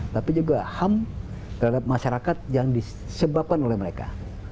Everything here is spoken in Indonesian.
tapi juga ham terhadap masyarakat yang disebabkan oleh mereka